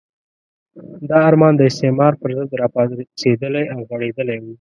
دا ارمان د استعمار پرضد راپاڅېدلی او غوړېدلی وو.